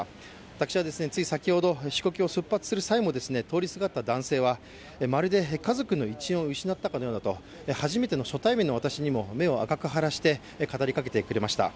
私はつい先ほど支局を出発する際も通りすがった男性はまるで家族の一員を失ったようだと初対面の私にも、目を赤く腫らして語りかけてくれました。